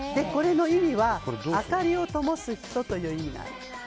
これの意味は明かりをともす人という意味です。